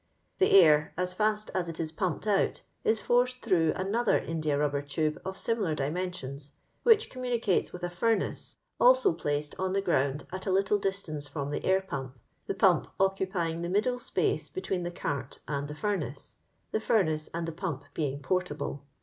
The air, as ftst as it is pumped out, is forced through another India rubbe^tube of similar dimensions, wliidi com municates with a fturnaoe, also placed on the ground at a little distance firom the air pump, i the pump occupying the middle space between the cart and the f^unaoe, the furnace and the pump being portable.